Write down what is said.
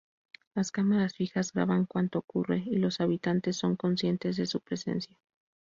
Las cámaras fijas graban cuanto ocurre y los habitantes son conscientes de su presencia.